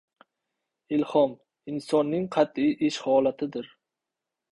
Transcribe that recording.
Ilhom – insonning qatʼiy ish holatidir.